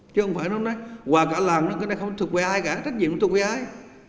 chứ không phải nó nói hoà cả làng cái này không thuộc về ai cả trách nhiệm không thuộc về ai